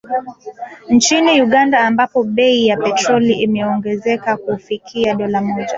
Nchini Uganda ambapo bei ya petroli imeongezeka kufikia dola moja